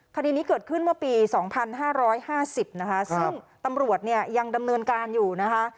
คดีนี้เกิดขึ้นเมื่อปี๒๕๕๐นะคะซึ่งตำรวจเนี่ยยังดำเนินการอยู่นะคะ